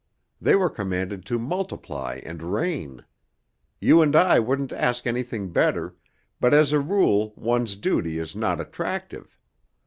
They were commanded to multiply and reign. You and I wouldn't ask anything better, but as a rule one's duty is not attractive.